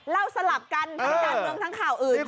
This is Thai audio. สลับกันทั้งการเมืองทั้งข่าวอื่น